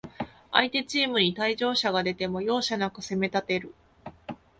相手チームに退場者が出ても、容赦なく攻めたてる